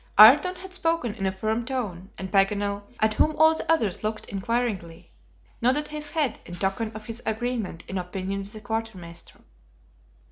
Ayrton had spoken in a firm tone, and Paganel, at whom all the others looked inquiringly, nodded his head in token of his agreement in opinion with the quartermaster.